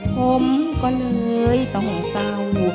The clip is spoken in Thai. ผมก็เลยต้องเศร้า